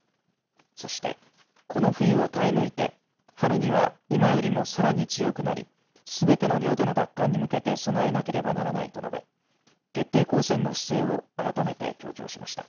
そしてこの冬を耐え抜いて春には今よりもさらに強くなりすべての領土の奪還に向けて備えなければならないと述べ徹底抗戦の姿勢を改めて強調しました。